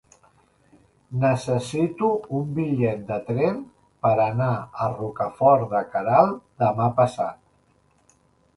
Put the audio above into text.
Necessito un bitllet de tren per anar a Rocafort de Queralt demà passat.